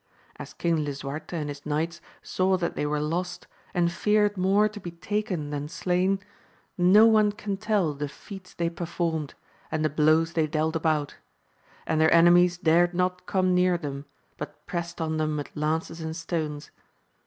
As King Lisuarte and his knights saw that they were lost, and feared more to be taken than slain, no one can tell the feats they performed, and the blows they dealt about ; and their enemies dared not come near them, but prest on them with lances and stones.